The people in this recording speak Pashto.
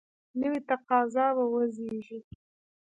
نوي تقاضا به وزیږي.